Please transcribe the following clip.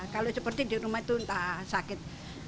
kalau seperti di rumah itu entah sakit